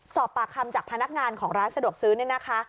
สอบปากคำจากพนักงานของร้านสะดวกซื้อเนี่ยนะคะ